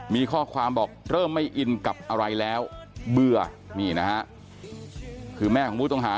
มีข้อความบอกเริ่มไม่อินกับอะไรแล้วเบื่อนี่นะฮะคือแม่ของผู้ต้องหา